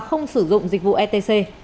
không sử dụng dịch vụ etc